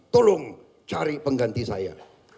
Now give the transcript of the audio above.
tolong cari pengganti saya